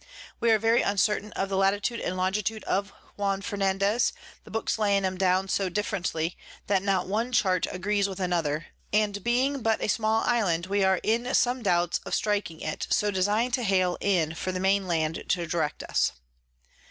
We are very uncertain of the Latitude and Longitude of Juan Fernandez, the Books laying 'em down so differently, that not one Chart agrees with another; and being but a small Island, we are in some doubts of striking it, so design to hale in for the main Land to direct us.